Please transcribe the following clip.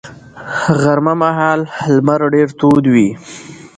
غرمه مهال لمر ډېر تود وي